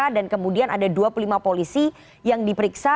dan kemudian ada dua puluh lima polisi yang diperiksa